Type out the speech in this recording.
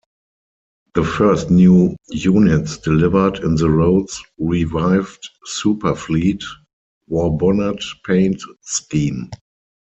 The first new units delivered in the road's revived "Super Fleet" Warbonnet Paint Scheme.